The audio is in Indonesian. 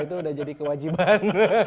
itu udah jadi kewajiban